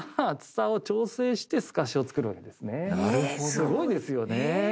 すごいですよね。